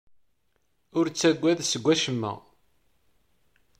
Ur ttaggad seg wacemma.